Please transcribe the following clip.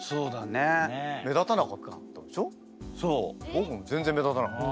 僕も全然目立たなかった。